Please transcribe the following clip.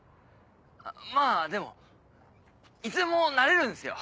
まぁでもいつでもなれるんですよ。